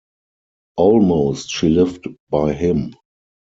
Almost she lived by him.